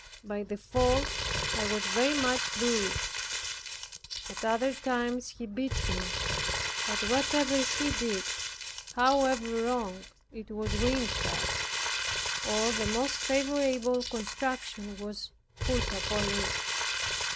By the fall I was very much bruised. At other times he beat me. But whatever he did, however wrong, it was winked at, or the most favorable construction was put upon it.